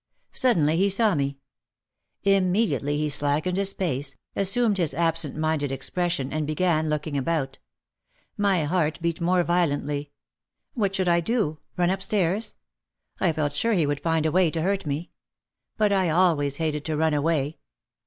Suddenly he saw me. Immediately he slackened his pace, assumed his absent minded expression and began looking about. My heart beat more violently. What should I do? Run upstairs? I felt sure he would find a way to hurt me. But I always hated to run away.